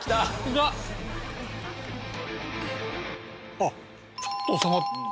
あっちょっと治まった。